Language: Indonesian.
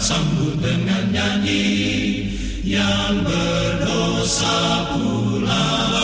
sambut dengan nyanyi yang berdosa pula